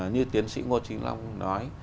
như tiến sĩ ngô chính long nói